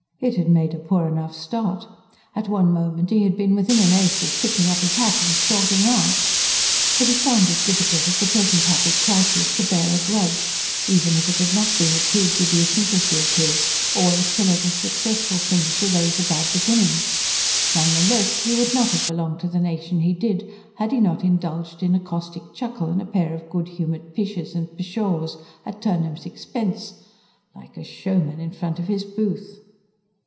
It had made a poor enough start: at one moment he had been within an ace of picking up his hat and stalking out. But he found it difficult at the present happy crisis to bear a grudge even if it had not been a proved idiosyncrasy of his, always to let a successful finish erase a bad beginning. None the less, he would not have belonged to the nation he did, had he not indulged in a caustic chuckle and a pair of good humoured pishes and pshaws, at Turnham's expense. "Like a showman in front of his booth!"